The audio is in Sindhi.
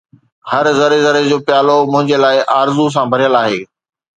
هر ذري ذري جو پيالو منهنجي لاءِ آرزو سان ڀريل آهي